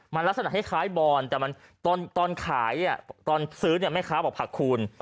มันลักษณะคล้ายบอนแต่มันตอนขายตอนซื้อเนี่ยแม่ค้าบอกผักคูณ